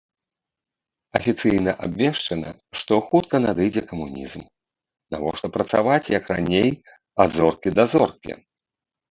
Афіцыйна абвешчана, што хутка надыдзе камунізм, навошта працаваць як раней ад зоркі да зоркі.